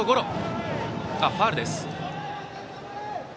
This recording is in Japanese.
ファウルです。